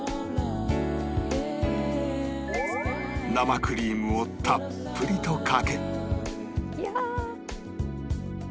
生クリームをたっぷりとかけぎゃあ！